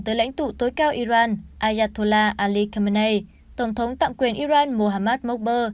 tới lãnh tụ tối cao iran ayatollah ali khamenei tổng thống tạm quyền iran mohammad mokbo